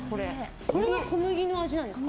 これが小麦の味なんですか？